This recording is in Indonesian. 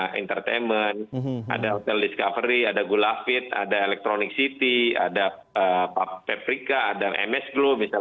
ada entertainment ada hotel discovery ada gulafit ada electronic city ada paprika ada msglo misalnya gitu